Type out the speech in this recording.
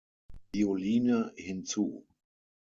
Violine hinzu.